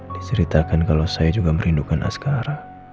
diceritakan kalau saya juga merindukan askara